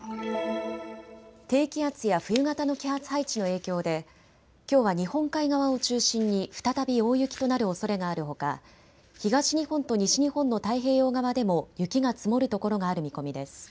低気圧や冬型の気圧配置の影響できょうは日本海側を中心に再び大雪となるおそれがあるほか東日本と西日本の太平洋側でも雪が積もるところがある見込みです。